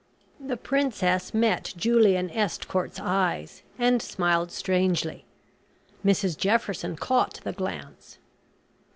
The princess met Julian Estcourt's eyes, and smiled strangely. Mrs Jefferson caught the glance.